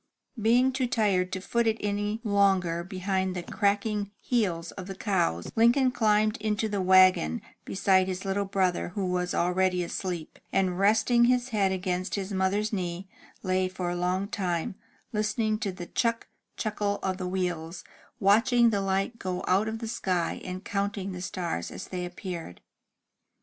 Being too tired to foot it any longer behind the cracking heels of the cows, Lincoln climbed into the wagon beside his little brother, who was already asleep, and, resting his head against his mother's knee, lay for a long time, listening to the chuck chuckle 184 THE TREASURE CHEST of the wheels, watching the light go out of the sky, and counting the stars as they appeared.